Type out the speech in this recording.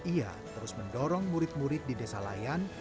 ia terus mendorong murid murid di desa layan